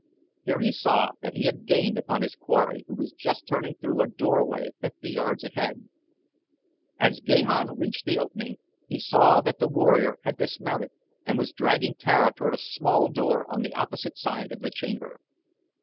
Here he saw that he had gained upon his quarry who was just turning through a doorway fifty yards ahead. As Gahan reached the opening he saw that the warrior had dismounted and was dragging Tara toward a small door on the opposite side of the chamber.